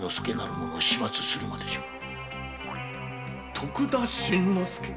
「徳田新之助」？